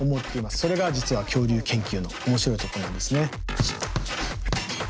それが実は恐竜研究の面白いところなんですね。